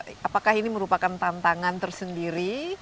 dan ini apa yang apakah ini merupakan tantangan tersendiri